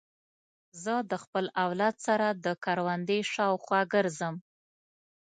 زه د خپل اولاد سره د کوروندې شاوخوا ګرځم.